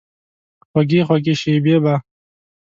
خوږې، خوږې شیبې به،